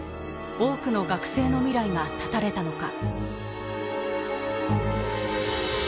多くの学生の未来が絶たれたのか。